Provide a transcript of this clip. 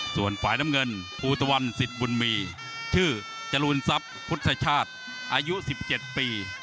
ส่วนฝ่ายน้ำเงินภูตะวันสิทธิ์บุญมีชื่อจรูนทรัพย์พุทธชาติอายุ๑๗ปี